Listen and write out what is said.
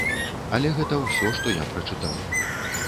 Але гэта ўсё, што я прачытаў.